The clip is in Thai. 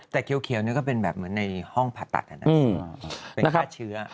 แต่เขียวนี่ก็เป็นแบบเหมือนในห้องผ่าตัดเป็นฆ่าเชื้อ